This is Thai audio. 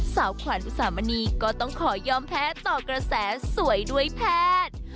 สาวขวัญอุสามณีก็ต้องขอยอมแพ้ต่อกระแสสวยด้วยแพทย์